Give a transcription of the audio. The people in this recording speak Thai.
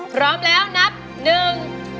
พร้อมแล้วนับหนึ่ง